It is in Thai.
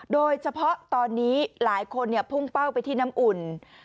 โดยเฉพาะตอนนี้หลายคนพุ่งเป้าไปที่น้ำอุ่น